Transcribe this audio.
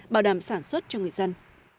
bảo đảm sản xuất cho người dân